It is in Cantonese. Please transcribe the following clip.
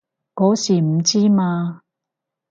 嗰時唔知嘛